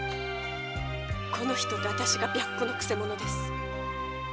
この人と私が白狐のくせ者です。